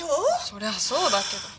そりゃそうだけど。